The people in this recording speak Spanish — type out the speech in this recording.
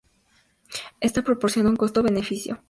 Esto proporciona un costo beneficio.